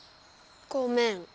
ごめん。